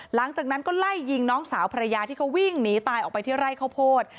หลังจากนั้นก็ไล่ยิงน้องสาวภรรยาที่เขาวิ่งหนีตายออกไปที่ไร่ข้าวโพด